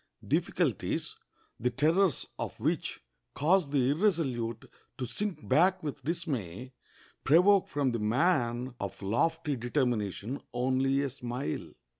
Difficulties, the terrors of which cause the irresolute to sink back with dismay, provoke from the man of lofty determination only a smile.